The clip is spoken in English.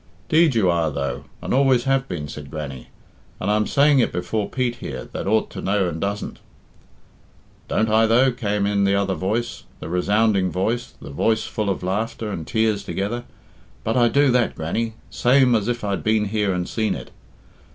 "'Deed you are, though, and always have been," said Grannie, "and I'm saying it before Pete here, that ought to know and doesn't." "Don't I, though?" came in the other voice the resounding voice the voice full of laughter and tears together. "But I do that, Grannie, same as if I'd been here and seen it.